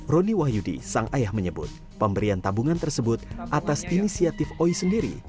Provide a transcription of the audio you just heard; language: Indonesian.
roni wahyudi sang ayah menyebut pemberian tabungan tersebut atas inisiatif oi sendiri